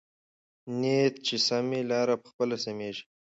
نیت چې سم وي، لاره پخپله سمېږي.